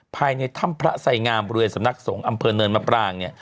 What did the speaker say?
ภายในถ้ำพระไสงามบริเวณสำนักสงฆ์อำเภอเนินมะปรางเนี่ย